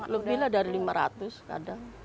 lebih lah dari lima ratus kadang